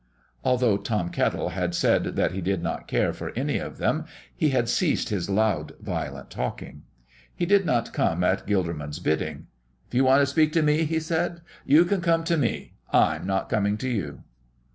Although Tom Kettle had said that he did not care for any of them, he had ceased his loud, violent talking. He did not come at Gilderman's bidding. "If you want to speak to me," he said, "you can come to me I'm not coming to you."